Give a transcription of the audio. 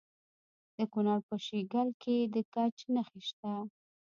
د کونړ په شیګل کې د ګچ نښې شته.